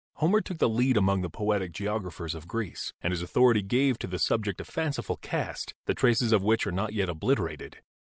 Homer took the lead among the poetic geographers of Greece, and his authority gave to the subject a fanciful cast, the traces of which are not yet obliterated.